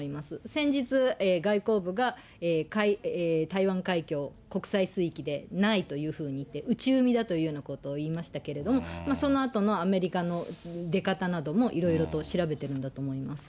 先日、外交部が台湾海峡は国際水域ではないということを言いましたけど、内海だということを言いましたけれども、そのあとのアメリカの出方などもいろいろと調べてるんだと思います。